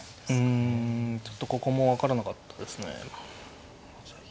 うんちょっとここも分からなかったですね。